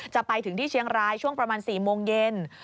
จะไปถึงที่เชียงรายช่วงประมาณ๔โมงเย็น